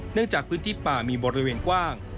จากพื้นที่ป่ามีบริเวณกว้าง